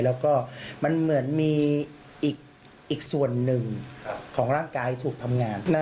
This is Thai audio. แล้วก็มันเหมือนมีอีกส่วนหนึ่งของร่างกายถูกทำงาน